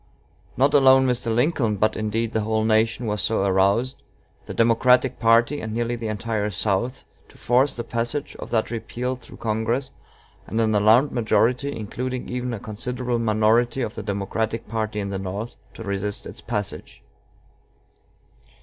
Not alone Mr. Lincoln, but, indeed, the whole nation, was so aroused the Democratic party, and nearly the entire South, to force the passage of that repeal through Congress, and an alarmed majority, including even a considerable minority of the Democratic party in the North, to resist its passage.